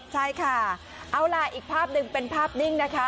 ใช่ค่ะเอาล่ะอีกภาพหนึ่งเป็นภาพนิ่งนะคะ